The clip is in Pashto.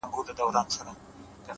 دا دی گيلاس چي تش کړؤ دغه دی توبه کومه;